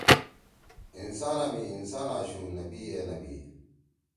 انسانا می انسان آشُو نبی ائے نبی